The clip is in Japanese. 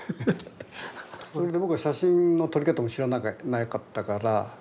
それで僕は写真の撮り方も知らなかったから。